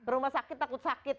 rumah sakit takut sakit